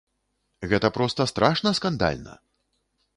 Гэта проста страшна скандальна!